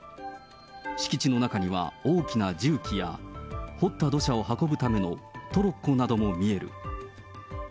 敷地の中には、大きな重機や掘った土砂を運ぶためのトロッコなども見える。